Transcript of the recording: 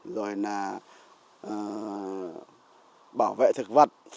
rồi là bảo vệ thực vật